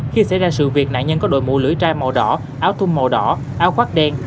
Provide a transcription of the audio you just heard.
khi xảy ra sự việc nạn nhân có đội mũ lưỡi chai màu đỏ áo thum màu đỏ áo khoác đen